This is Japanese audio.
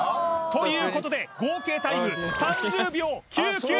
ということで合計タイム３０秒９９